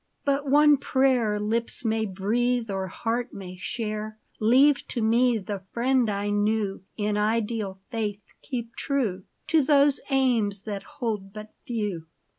But one prayer Lips may breathe or heart may share : Leave to me the friend I knew In ideal faith ; keep true To those aims that hold but few.